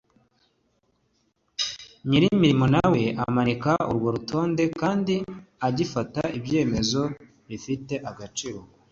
Nyir imirimo nawe amanika urwo rutonde kandi igafata ibyemezo bifite agaciro uko